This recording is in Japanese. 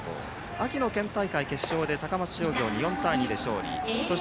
秋の県大会決勝で高松商業に勝利。